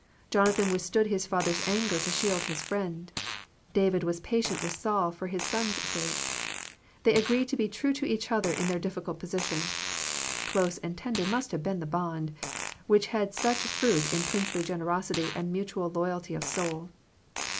Jonathan with stood his father's anger to shield his friend : David was patient with Saul for his son's sake. They agreed to be true to each other in their difficult position. Close and tender must have been the bond, which had such fruit in princely generosity and mutual loyalty of soul.